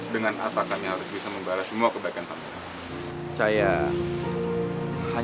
dengan apa kami harus bisa membalas semua kebaikan bangsa